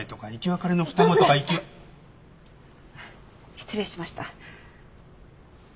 失礼しました。